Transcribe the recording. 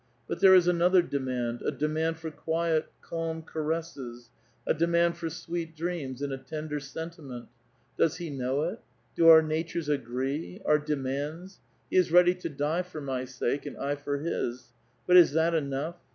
But there is another demand ; a demand for quiet, calm caresses ; a demand for sweet dreams in a tender senti ment. Does he know it? Do our natures agree? our de mands ? He is ready to die for my sake, and I for his ; but is that enough?